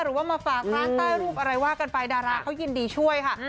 หรือว่ามาฝากร้านใต้รูปอะไรว่ากันไปดาราเขายินดีช่วยค่ะ